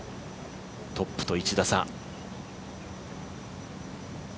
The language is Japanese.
トップと１打差。